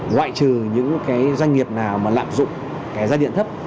loại trừ những cái doanh nghiệp nào mà lạm dụng cái giá điện thấp